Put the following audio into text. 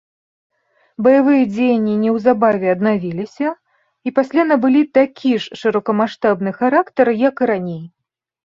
Баявыя дзеянні неўзабаве аднавіліся, і пасля набылі такі ж шырокамаштабны характар, як і раней.